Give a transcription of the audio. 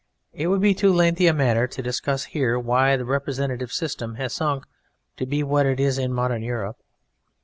It would be too lengthy a matter to discuss here why the representative system has sunk to be what it is in modern Europe.